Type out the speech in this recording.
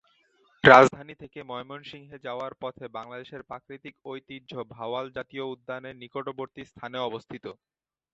রাজধানী থেকে ময়মনসিংহে যাওয়ার পথে বাংলাদেশের প্রাকৃতিক ঐতিহ্য ভাওয়াল জাতীয় উদ্যানের নিকটবর্তী স্থানে অবস্থিত।